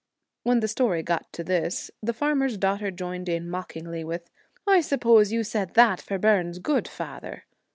When the story got to this, the farmer's daughter joined in mockingly with, ' I suppose you said that for Byrne's good, father.'